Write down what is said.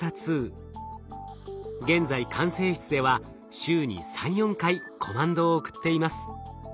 現在管制室では週に３４回コマンドを送っています。